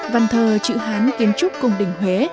văn thơ chữ hán kiến trúc cung đỉnh huế